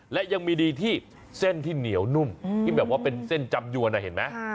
และยังมีดีที่เส้นที่เหนียวนุ่มที่แบบว่าเป็นเส้นจำยวนเห็นไหม